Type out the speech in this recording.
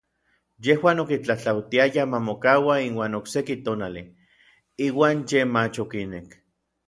Yejuan okitlatlautiayaj ma mokaua inuan okseki tonali, iuan yej mach okinek.